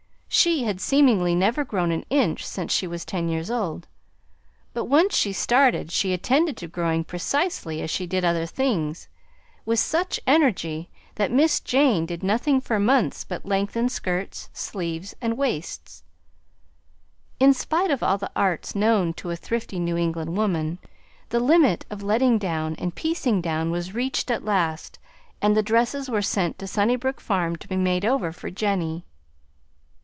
She had seemingly never grown an inch since she was ten years old, but once started she attended to growing precisely as she did other things, with such energy, that Miss Jane did nothing for months but lengthen skirts, sleeves, and waists. In spite of all the arts known to a thrifty New England woman, the limit of letting down and piecing down was reached at last, and the dresses were sent to Sunnybrook Farm to be made over for Jenny.